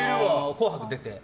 「紅白」出て。